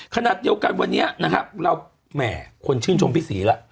ขณะเดียวกันวันนี้นะครับเราแหมคนชื่นชมพี่ศรีแล้ว